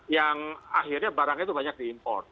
yang akhirnya barangnya itu banyak diimpor